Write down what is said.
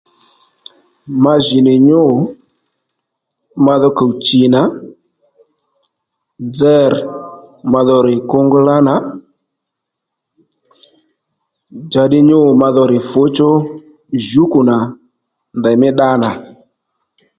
Ma jì nì nyû ma dho kùw chì nà dzér madho rr̀ kunglá nà njàddî nyû madho rr̀ fǔchú jǔkù nà ndèymí dda nà